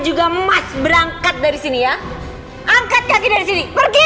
juga emas berangkat dari sini ya angkat kaki dari sini pergi